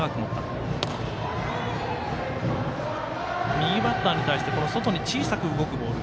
右バッターに対して外に小さく動くボール。